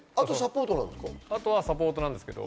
あとはサポートなんですけど。